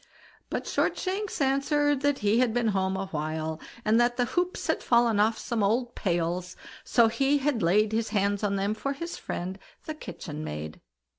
But Shortshanks answered that he had been home a while, and that the hoops had fallen off some old pails, so he had laid his hands on them for his friend the kitchen maid.